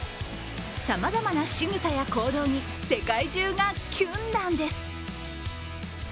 さまざまなしぐさや行動に世界中がキュンなんです。